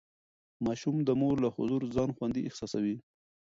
ماشوم د مور له حضور ځان خوندي احساسوي.